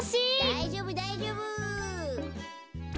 だいじょうぶだいじょうぶ！